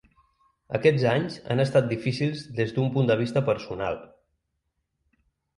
Aquests anys han estat difícils des d’un punt de vista personal.